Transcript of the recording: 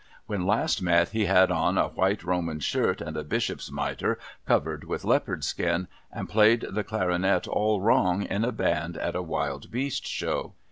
When last met, he had on a white Roman shirt, and a bishop's mitre covered with leopard skin, and played the clarionet all wrong, in a band at a Wild Beast Show.